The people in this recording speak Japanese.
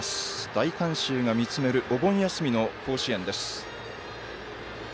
大観衆が見つめるお盆休みの甲子園です。